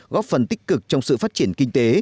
góp phần tích cực trong sự phát triển kinh tế